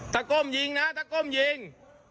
ตะกรมยิงนะตะกรมยิง